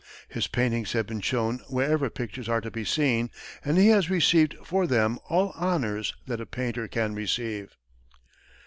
His paintings have been shown wherever pictures are to be seen and he has received for them all honors that a painter can receive.